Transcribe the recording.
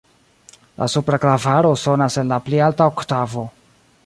La supra klavaro sonas en la pli alta oktavo.